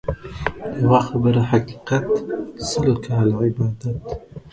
يوه خبره حقيقت ، سل کاله عبادت.